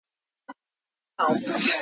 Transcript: The capital of Donga is Djougou.